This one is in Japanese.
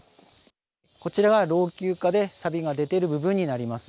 こちらが老朽化で、さびが出ている部分になります。